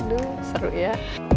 duh seru ya